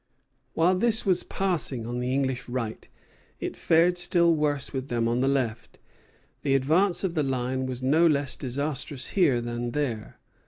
While this was passing on the English right, it fared still worse with them on the left. The advance of the line was no less disastrous here than there.